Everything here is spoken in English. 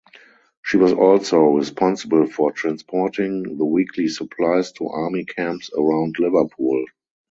She was also responsible for transporting the weekly supplies to army camps around Liverpool.